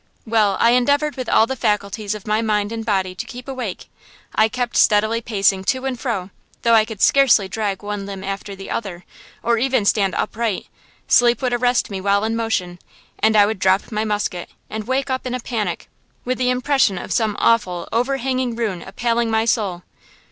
Well, I endeavored with all the faculties of my mind and body to keep awake. I kept steadily pacing to and fro, though I could scarcely drag one limb after the other, or even stand upright; sleep would arrest me while in motion, and I would drop my musket and wake up in a panic, with the impression of some awful, overhanging ruin appalling my soul.